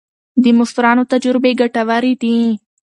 د مشرانو تجربې ګټورې دي.